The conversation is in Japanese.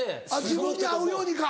自分に合うようにか。